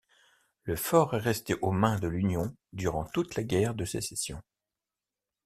Le fort est resté aux mains de l'union durant toute la guerre de Sécession.